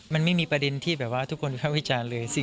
มันไม่มีประเด็นที่แบบว่าทุกคนเข้าวิจารณ์เลย